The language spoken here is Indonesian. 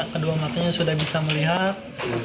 kedua matanya sudah bisa melihat